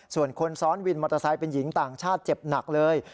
ส่วนคนซ้อนวินมอเตอร์ไซค์เป็นหญิงต่างชาติเจ็บหนักเลย